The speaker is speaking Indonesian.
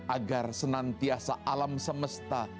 agar senantiasa alam semesta